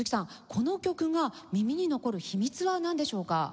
この曲が耳に残る秘密はなんでしょうか？